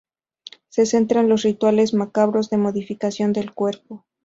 Se centra en los rituales macabros de modificación del cuerpo.